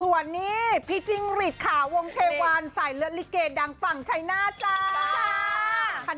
สวัสดีพี่จิ้งฤทธิ์ค่ะวงเทวันใส่เลือดลิเกดังฝั่งชัยหน้าจ้า